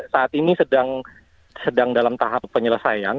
saat ini sedang dalam tahap penyelesaian